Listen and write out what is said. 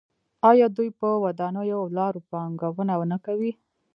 آیا دوی په ودانیو او لارو پانګونه نه کوي؟